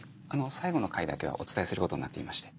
最後の回だけはお伝えすることになってまして。